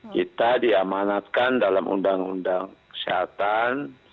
kita diamanatkan dalam undang undang kesehatan